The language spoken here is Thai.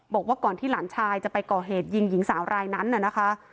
บอกว่าก่อนที่หลานชายจะไปก่อเหตุยิงหญิงสาวรายนั้นน่ะนะคะ